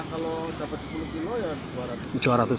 kalau dapat sepuluh kilo ya dua ratus ribu